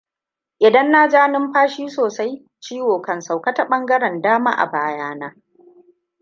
Idan na ja numfashi sosai, ciwo kan sauka ta bangaren dama a bayana.